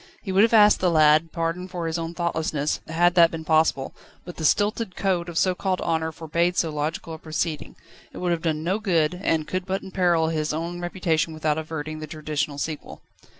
He would have asked the lad's pardon for his own thoughtlessness, had that been possible: but the stilted code of so called honour forbade so logical a proceeding. It would have done no good, and could but imperil his own reputation without averting the traditional sequel.